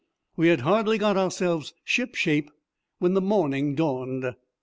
We had hardly got ourselves shipshape when the morning dawned.